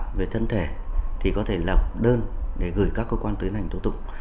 người thân thể thì có thể lập đơn để gửi các cơ quan tuyên hành tổ tụng